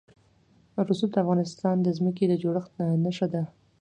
رسوب د افغانستان د ځمکې د جوړښت نښه ده.